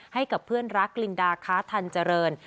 ให้กับเพื่อนรักลินดาค้าทันเจริญ